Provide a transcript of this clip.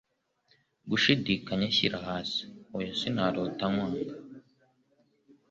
Gushidikanya shyira hasi hoya Sinarota nkwanga